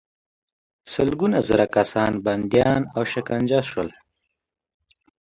سلګونه زره کسان بندیان او شکنجه شول.